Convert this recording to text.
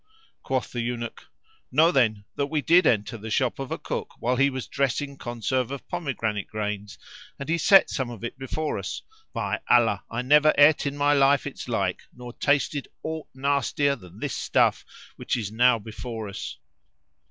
Quoth the Eunuch, "Know then that we did enter the shop of a cook while he was dressing conserve of pomegranate grains and he set some of it before us: by Allah! I never ate in my life its like, nor tasted aught nastier than this stuff which is now before us."